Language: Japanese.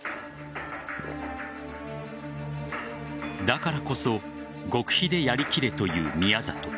だからこそ極秘でやり切れという宮里。